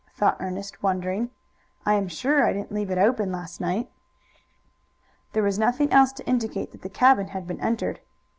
thought Ernest, wondering. "I am sure I didn't leave it open last night." There was nothing else to indicate that the cabin had been entered.